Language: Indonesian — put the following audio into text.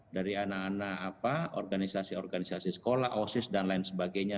dari anak anak apa organisasi organisasi sekolah osis dan lain sebagainya